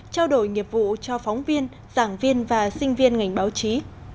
trao đổi nghiệp vụ cho phóng viên giảng viên và sinh viên ngành báo chí